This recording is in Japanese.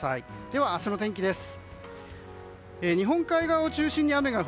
では、明日の天気です。